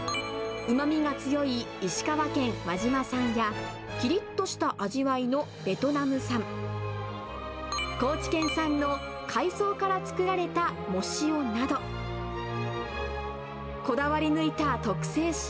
うまみが強い石川県輪島産やきりっとした味わいのベトナム三、高知県産の海そうから作られた藻塩など、こだわり抜いた特製塩